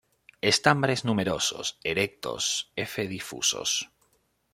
Estambres numerosos, erectos, f difusos.